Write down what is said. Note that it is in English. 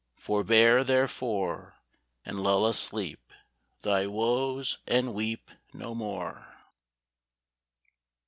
Forbear, therefore, And lull asleep Thy woes, and weep No more.